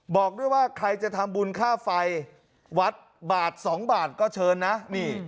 บอกด้วยว่าใครจะทำบุญค่าไฟวัดบาทสองบาทก็เชิญนะนี่